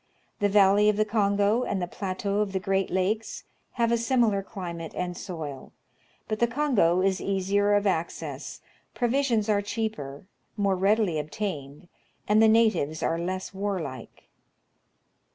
The valley of the Kongo, and the plateau of the great lakes, have a similar climate and soil ; but the Kongo is easier of access, provisions are cheaper, more readily obtained, and the natives are less warlike.